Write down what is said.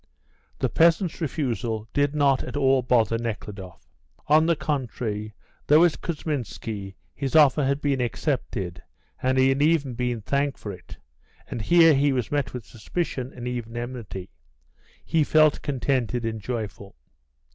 The peasants' refusal did not at all bother Nekhludoff. On the contrary, though at Kousminski his offer had been accepted and he had even been thanked for it, and here he was met with suspicion and even enmity, he felt contented and joyful.